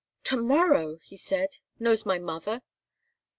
—"To morrow!" he said. "Knows my mother?"